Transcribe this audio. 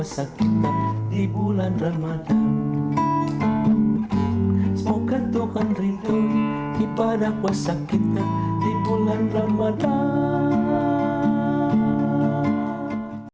semoga tuhan rindu di pada kuasa kita di bulan ramadhan